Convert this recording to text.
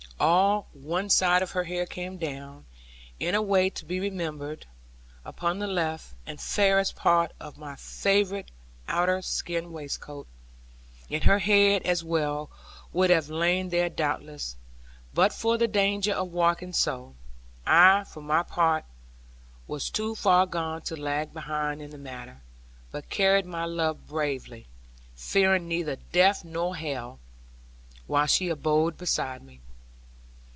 All one side of her hair came down, in a way to be remembered, upon the left and fairest part of my favourite otter skin waistcoat; and her head as well would have lain there doubtless, but for the danger of walking so. I, for my part, was too far gone to lag behind in the matter; but carried my love bravely, fearing neither death nor hell, while she abode beside me.